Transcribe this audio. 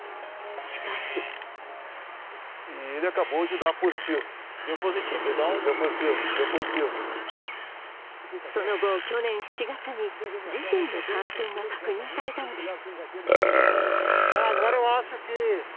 しかしその後、去年７月に自身の感染が確認されたのです。